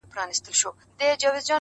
زلفي او باڼه اشــــــنـــــــــــا،